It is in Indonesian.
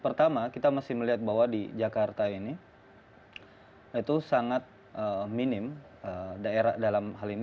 pertama kita masih melihat bahwa di jakarta ini itu sangat minim daerah dalam hal ini